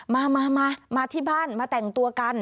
มามาที่บ้านมาแต่งตัวกัน